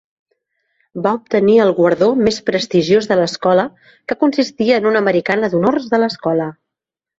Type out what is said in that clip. Va obtenir el guardó més prestigiós de l'escola que consistia en una americana d'honors de l'escola.